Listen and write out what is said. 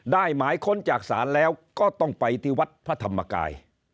หมายค้นจากศาลแล้วก็ต้องไปที่วัดพระธรรมกาย